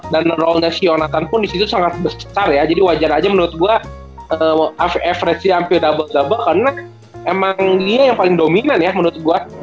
dan role nya shionatan pun disitu sangat besar ya jadi wajar aja menurut gua average dia sampe double double karena emang dia yang paling dominan ya menurut gua